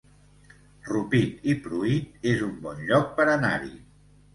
Rupit i Pruit es un bon lloc per anar-hi